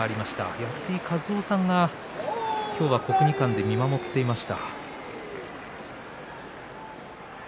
安井和男さんが今日は国技館で見守っていました。